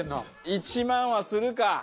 １万はするか！